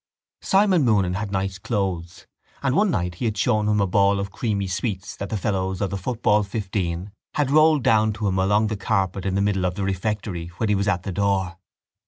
Simon Moonan had nice clothes and one night he had shown him a ball of creamy sweets that the fellows of the football fifteen had rolled down to him along the carpet in the middle of the refectory when he was at the door.